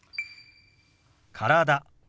「体」。